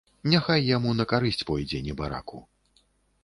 Няхай яму на карысць пойдзе, небараку.